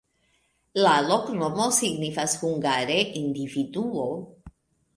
La loknomo signifas hungare: individuo.